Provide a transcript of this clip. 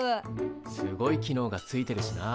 すごい機能がついてるしな。